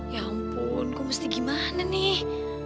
ya ampun ku mesti gimana nih